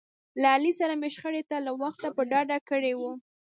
له علي سره مې شخړې ته له وخته په ډډه کړي و.